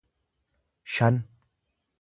shan